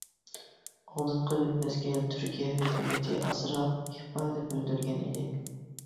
ئالدىنقى بىر مەزگىل تۈركىيە ھۆكۈمىتى ئازراق ئىپادە بىلدۈرگەن ئىدى.